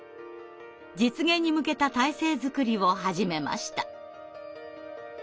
実現に向けた体制作りを始めました。